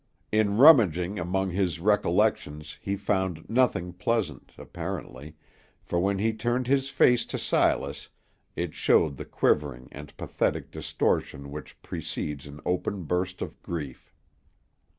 In rummaging among his recollections he found nothing pleasant, apparently, for when he turned his face to Silas it showed the quivering and pathetic distortion which precedes an open burst of grief.